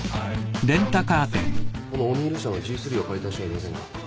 このオニール社のＧ３を借りた人はいませんか？